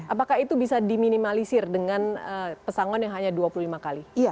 apakah itu bisa diminimalisir dengan pesangon yang hanya dua puluh lima kali